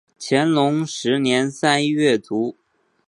乾隆十年三月卒。